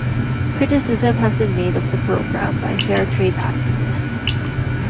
Criticism has been made of the programme by fair trade activists.